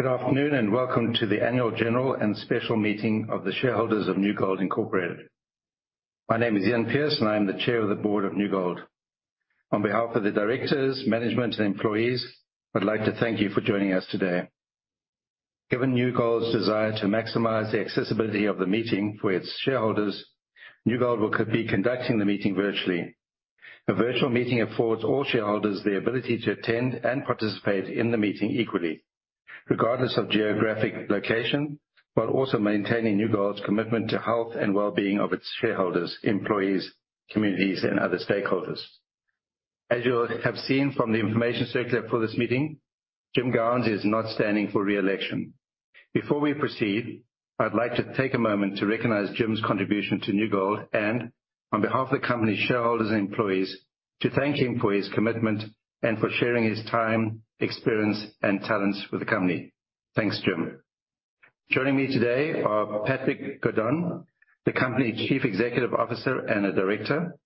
Good afternoon, and welcome to the Annual General and Special Meeting of the shareholders of New Gold Inc. My name is Ian Pearce, and I am the Chair of the Board of New Gold. On behalf of the directors, management, and employees, I'd like to thank you for joining us today. Given New Gold's desire to maximize the accessibility of the meeting for its shareholders, New Gold will be conducting the meeting virtually. A virtual meeting affords all shareholders the ability to attend and participate in the meeting equally, regardless of geographic location, while also maintaining New Gold's commitment to health and well-being of its shareholders, employees, communities, and other stakeholders. As you all have seen from the information circular for this meeting, Jim Gowans is not standing for re-election. Before we proceed, I'd like to take a moment to recognize Jim's contribution to New Gold and, on behalf of the company shareholders and employees, to thank him for his commitment and for sharing his time, experience, and talents with the company. Thanks, Jim. Joining me today are Patrick Godin, the company's Chief Executive Officer and a director.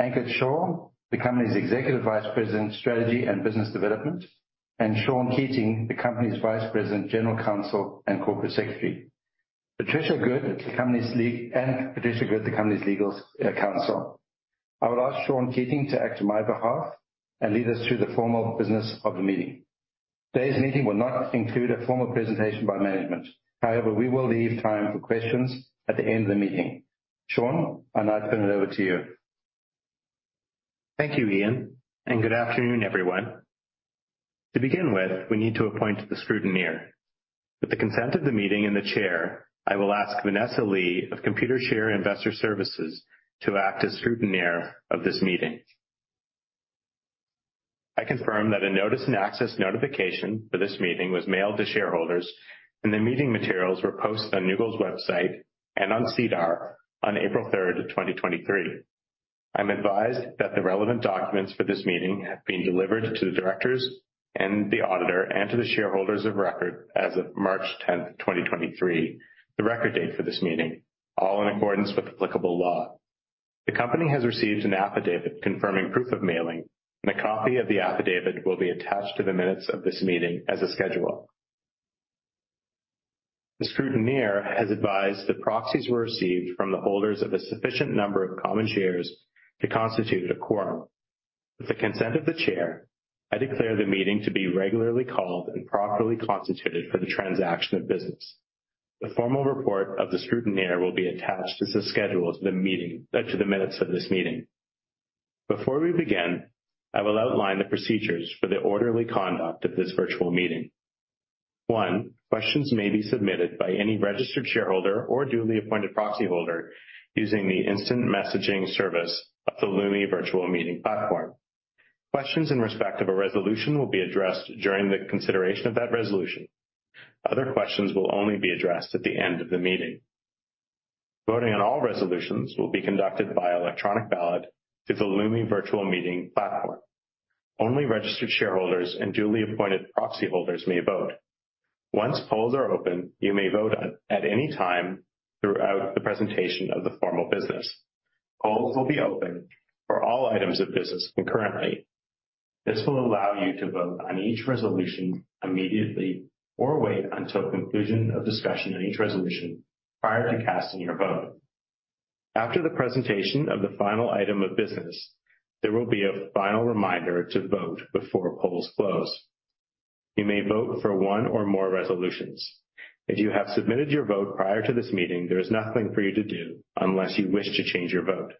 Ankit Shah, the company's Executive Vice President, Strategy and Business Development. Sean Keating, the company's Vice President, General Counsel and Corporate Secretary. Patricia Good, the company's Legal Counsel. I will ask Sean Keating to act on my behalf and lead us through the formal business of the meeting. Today's meeting will not include a formal presentation by management. We will leave time for questions at the end of the meeting. Sean, I now turn it over to you. Thank you, Ian. Good afternoon, everyone. To begin with, we need to appoint the scrutineer. With the consent of the meeting and the chair, I will ask Vanessa Lee of Computershare Investor Services to act as scrutineer of this meeting. I confirm that a notice and access notification for this meeting was mailed to shareholders, and the meeting materials were posted on New Gold's website and on SEDAR on 3rd April, 2023. I'm advised that the relevant documents for this meeting have been delivered to the directors and the auditor and to the shareholders of record as of 10th March 2023, the record date for this meeting, all in accordance with applicable law. The company has received an affidavit confirming proof of mailing, and a copy of the affidavit will be attached to the minutes of this meeting as a schedule. The scrutineer has advised that proxies were received from the holders of a sufficient number of common shares to constitute a quorum. With the consent of the chair, I declare the meeting to be regularly called and properly constituted for the transaction of business. The formal report of the scrutineer will be attached as a schedule to the minutes of this meeting. Before we begin, I will outline the procedures for the orderly conduct of this virtual meeting. One questions may be submitted by any registered shareholder or duly appointed proxy holder using the instant messaging service of the Lumi Virtual Meeting platform. Questions in respect of a resolution will be addressed during the consideration of that resolution. Other questions will only be addressed at the end of the meeting. Voting on all resolutions will be conducted via electronic ballot through the Lumi Virtual Meeting platform. Only registered shareholders and duly appointed proxy holders may vote. Once polls are open, you may vote at any time throughout the presentation of the formal business. Polls will be open for all items of business concurrently. This will allow you to vote on each resolution immediately or wait until conclusion of discussion on each resolution prior to casting your vote. After the presentation of the final item of business, there will be a final reminder to vote before polls close. You may vote for one or more resolutions. If you have submitted your vote prior to this meeting, there is nothing for you to do unless you wish to change your vote.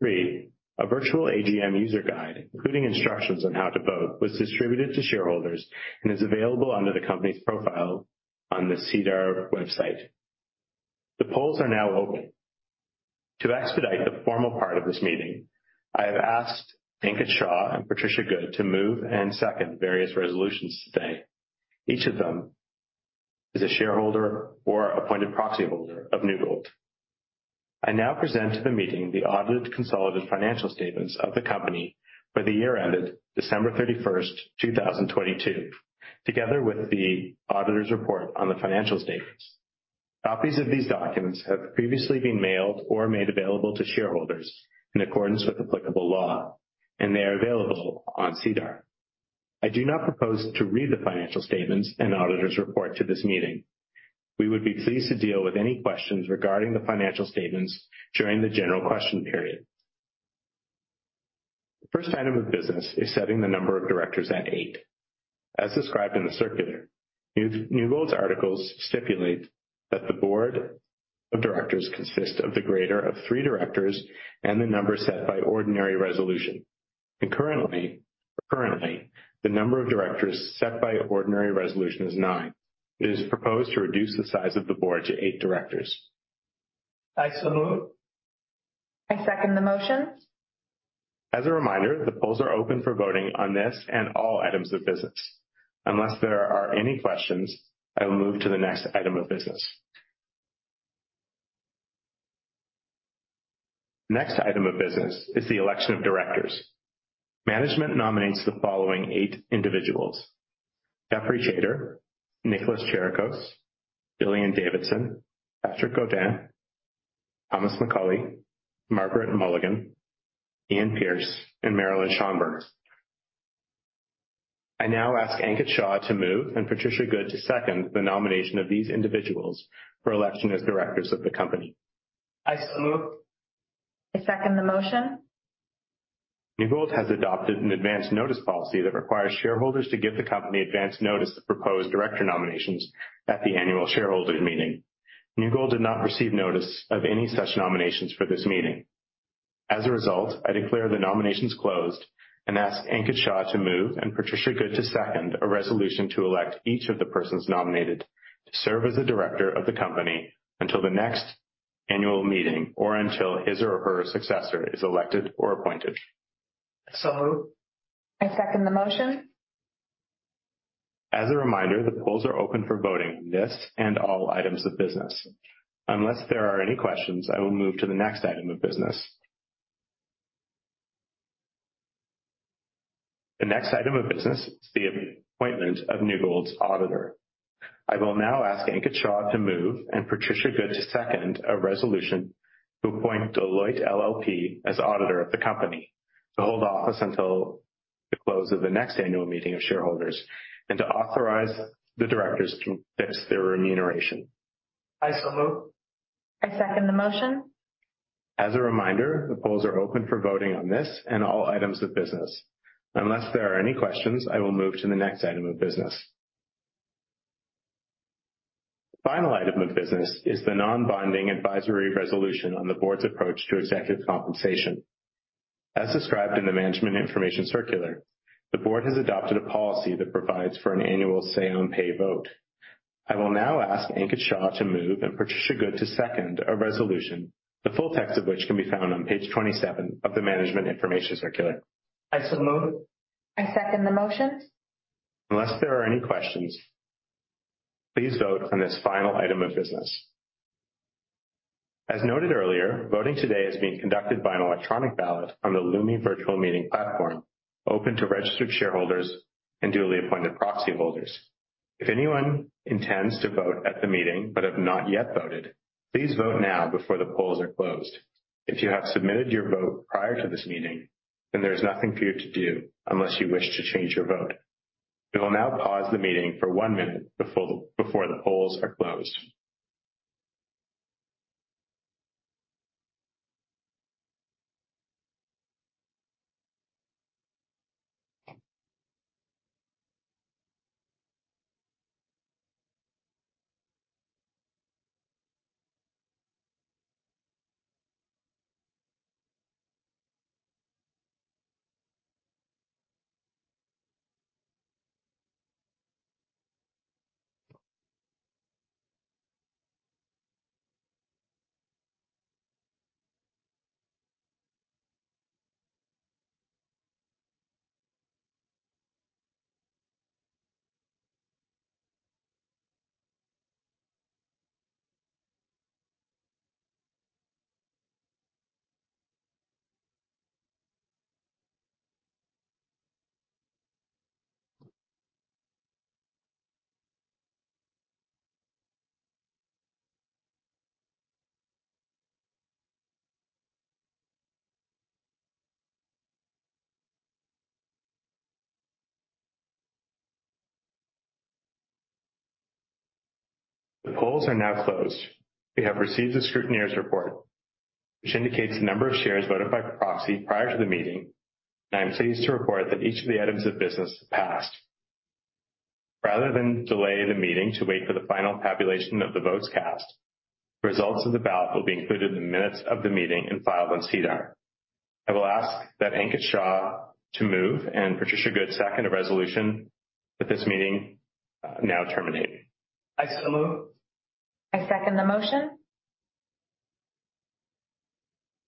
Three a virtual AGM user guide, including instructions on how to vote, was distributed to shareholders and is available under the company's profile on the SEDAR website. The polls are now open. To expedite the formal part of this meeting, I have asked Ankit Shah and Patricia Good to move and second various resolutions today. Each of them is a shareholder or appointed proxy holder of New Gold. I now present to the meeting the audited consolidated financial statements of the company for the year ended 31st December 2022, together with the auditor's report on the financial statements. Copies of these documents have previously been mailed or made available to shareholders in accordance with applicable law. They are available on SEDAR. I do not propose to read the financial statements and auditor's report to this meeting. We would be pleased to deal with any questions regarding the financial statements during the general question period. The first item of business is setting the number of directors at eight. As described in the circular, New Gold's articles stipulate that the board of directors consist of the greater of three directors and the number set by ordinary resolution. Currently, the number of directors set by ordinary resolution is nine. It is proposed to reduce the size of the board to eight directors. I so move. I second the motion. As a reminder, the polls are open for voting on this and all items of business. Unless there are any questions, I will move to the next item of business. Next item of business is the election of directors. Management nominates the following eight individuals: Geoff Chater, Nick Chirekos, Gillian Davidson, Patrick Godin, Thomas McCulley, Margaret Mulligan, Ian Pearce, and Marilyn Schonberner. I now ask Ankit Shah to move and Patricia Good to second the nomination of these individuals for election as directors of the company. I so move. I second the motion. New Gold has adopted an advance notice policy that requires shareholders to give the company advance notice of proposed director nominations at the annual shareholders meeting. New Gold did not receive notice of any such nominations for this meeting. As a result, I declare the nominations closed and ask Ankit Shah to move and Patricia Good to second a resolution to elect each of the persons nominated to serve as a director of the company until the next annual meeting or until his or her successor is elected or appointed. Moved. I second the motion. As a reminder, the polls are open for voting on this and all items of business. Unless there are any questions, I will move to the next item of business. The next item of business is the appointment of New Gold's auditor. I will now ask Ankit Shah to move and Patricia Good to second a resolution to appoint Deloitte LLP as auditor of the company, to hold office until the close of the next annual meeting of shareholders, and to authorize the directors to fix their remuneration. I so move. I second the motion. As a reminder, the polls are open for voting on this and all items of business. Unless there are any questions, I will move to the next item of business. The final item of business is the non-binding advisory resolution on the board's approach to executive compensation. As described in the Management Information Circular, the board has adopted a policy that provides for an annual say on pay vote. I will now ask Ankit Shah to move and Patricia Good to second a resolution, the full text of which can be found on page 27 of the Management Information Circular. I so move. I second the motion. Unless there are any questions, please vote on this final item of business. As noted earlier, voting today is being conducted by an electronic ballot on the Lumi Virtual Meeting platform, open to registered shareholders and duly appointed proxy holders. If anyone intends to vote at the meeting but have not yet voted, please vote now before the polls are closed. If you have submitted your vote prior to this meeting, then there's nothing for you to do unless you wish to change your vote. We will now pause the meeting for one minute before the polls are closed. The polls are now closed. We have received the scrutineer's report, which indicates the number of shares voted by proxy prior to the meeting, and I am pleased to report that each of the items of business passed. Rather than delay the meeting to wait for the final tabulation of the votes cast, results of the ballot will be included in the minutes of the meeting and filed on SEDAR. I will ask that Ankit Shah to move and Patricia Good second a resolution with this meeting now terminated. I so move. I second the motion.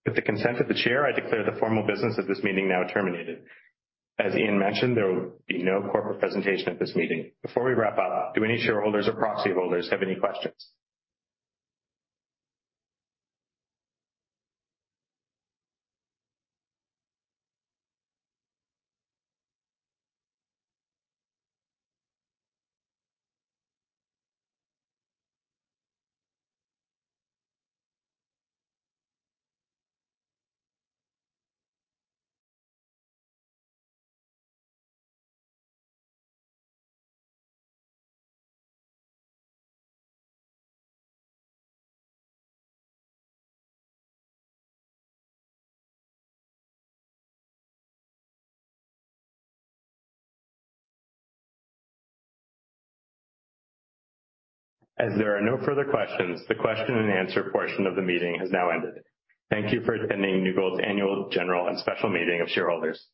With the consent of the chair, I declare the formal business of this meeting now terminated. As Ian mentioned, there will be no corporate presentation at this meeting. Before we wrap up, do any shareholders or proxy holders have any questions? As there are no further questions, the question and answer portion of the meeting has now ended. Thank you for attending New Gold's Annual General and Special Meeting of Shareholders.